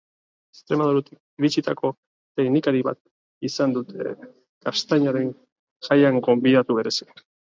Extremaduratik iritsitako teknikari bat izan dute Gaztainaren Jaian gonbidatu berezi.